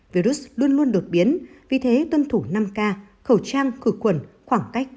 virus luôn luôn đột biến vì thế tuân thủ năm k khẩu trang cửa quần khoảng cách